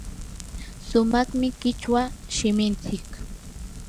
sumaqmi qichwa shiminchik.